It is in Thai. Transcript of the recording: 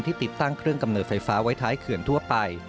ติดตั้งเครื่องกำเนิดไฟฟ้าไว้ท้ายเขื่อนทั่วไป